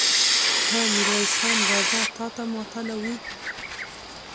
ها! ميرويس خان! راځه، تاته ماتله وو.